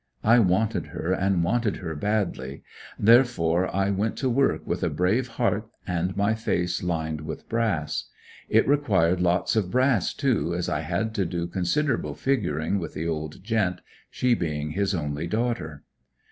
I wanted her, and wanted her badly, therefore I went to work with a brave heart and my face lined with brass. It required lots of brass too, as I had to do considerable figuring with the old gent, she being his only daughter.